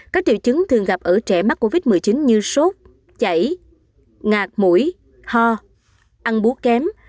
các triệu chứng thường gặp ở trẻ mắc covid một mươi chín như sốt chảy ngạc mũi ho ăn búa kém